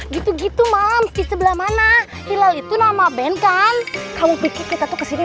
gitu gitu malam di sebelah mana hilal itu nama band kan kamu pikir kita tuh kesini